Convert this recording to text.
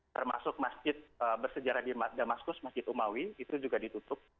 termasuk masjid bersejarah di damaskus masjid umawi itu juga ditutup